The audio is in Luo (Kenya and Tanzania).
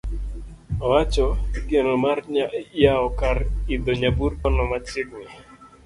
Owacho igeno mar yawo kar idho nyaburkono machiegni.